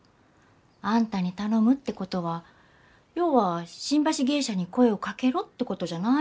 あんたに頼むってことはようは新橋芸者に声をかけろってことじゃないの？